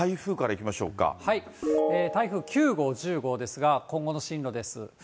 台風９号、１０号ですが、今後の進路です。